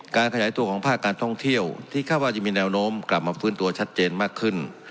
การขยายตัวของภาคการท่องเที่ยวที่คาดว่าจะมีแนวโน้มกลับมาฟื้นตัวชัดเจนมากขึ้น